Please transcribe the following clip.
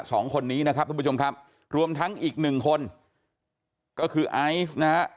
สองคนนี้นะครับทุกผู้ชมครับรวมทั้งอีกหนึ่งคนก็คือไอซ์นะฮะ